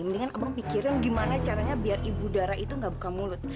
mendingan abang pikirin gimana caranya biar ibu darah itu gak buka mulut